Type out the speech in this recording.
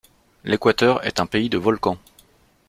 L'Équateur est un pays de volcans.